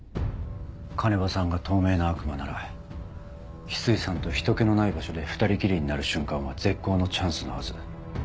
鐘場さんが透明な悪魔なら翡翠さんと人けのない場所で２人きりになる瞬間は絶好のチャンスのはず。